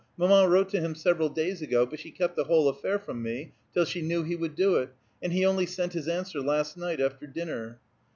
Mamma wrote to him several days ago, but she kept the whole affair from me till she knew he would do it, and he only sent his answer last night after dinner."